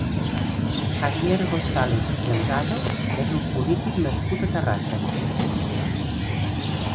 Javier González Delgado és un polític nascut a Terrassa.